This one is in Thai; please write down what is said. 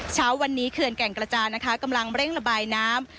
เช้าวันนี้เขื่อนแก่งกระจานนะคะกำลังเร่งระบายน้ำ